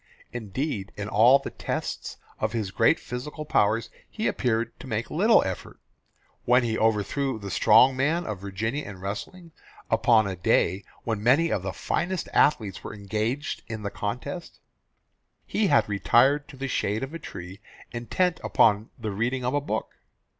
Indeed in all the tests of his great physical powers he appeared to make little effort. When he overthrew the strong man of Virginia in wrestling, upon a day when many of the finest athletes were engaged in the contest, he had retired to the shade of a tree intent upon the reading of a book.